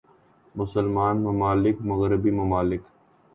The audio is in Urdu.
مسلمان ممالک مغربی ممالک